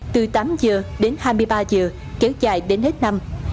từ tám giờ đến hai mươi ba giờ kéo dài đến hết năm